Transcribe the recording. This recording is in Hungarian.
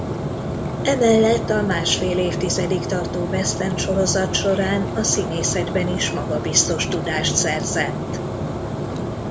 Emellett a másfél évtizedig tartó western sorozat során a színészetben is magabiztos tudást szerzett.